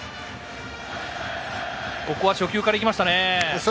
ここは初球からいきましたね。